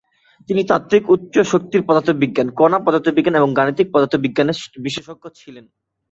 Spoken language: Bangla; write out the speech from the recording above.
তিনি তাত্ত্বিক উচ্চ শক্তির পদার্থবিজ্ঞান, কণা পদার্থবিজ্ঞান এবং গাণিতিক পদার্থবিজ্ঞানে বিশেষজ্ঞ ছিলেন।